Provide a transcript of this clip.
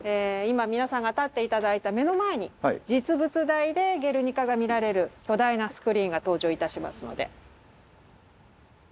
今皆さんが立って頂いた目の前に実物大で「ゲルニカ」が見られる巨大なスクリーンが登場いたしますので。